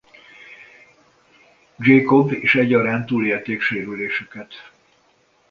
Jacob és egyaránt túlélték sérülésüket.